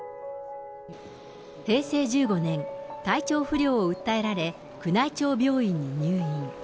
平成１５年、体調不良を訴えられ、宮内庁病院に入院。